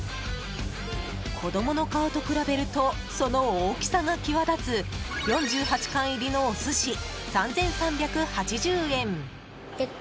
子供の顔と比べるとその大きさが際立つ４８貫入りのお寿司、３３８０円。